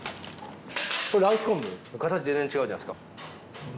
これ羅臼昆布形全然違うじゃないですか？